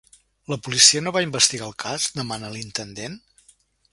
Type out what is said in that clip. La policia no va investigar el cas? —demana l'intendent.